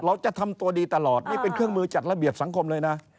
เราจะทำตัวดีตลอดนี่เป็นเครื่องมือจัดระเบียบสังคมเลยนะ